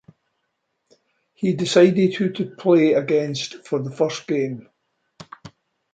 He decided who to play against for the first game.